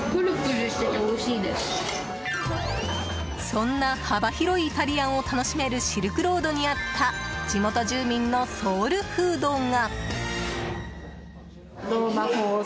そんな幅広いイタリアンを楽しめるシルクロードにあった地元住民のソウルフードが。